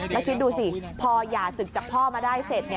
แล้วคิดดูสิพอหย่าศึกจากพ่อมาได้เสร็จ